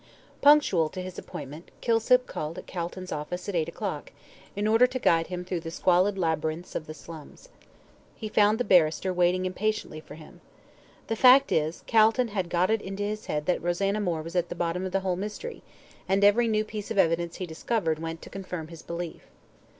Punctual to his appointment, Kilsip called at Calton's office at eight o'clock, in order to guide him through the squalid labyrinths of the slums. He found the barrister waiting impatiently for him. The fact is, Calton had got it into his head that Rosanna Moore was at the bottom of the whole mystery, and every new piece of evidence he discovered went to confirm this belief.